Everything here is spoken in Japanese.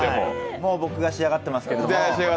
もう僕が仕上がってますけど。